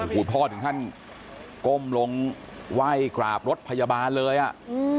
คุณพ่อถึงขั้นก้มลงไหว้กราบรถพยาบาลเลยอ่ะอืม